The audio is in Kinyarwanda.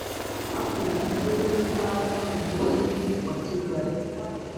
Hakurikijwe intara Umujyi wa Kigali